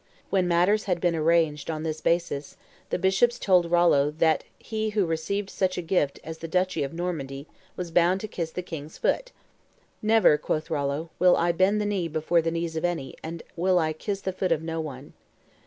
When matters had been arranged on this basis, "the bishops told Rollo that he who received such a gift as the duchy of Normandy was bound to kiss the king's foot. 'Never,' quoth Rollo, 'will I bend the knee before the knees of any, and I will kiss the foot of none.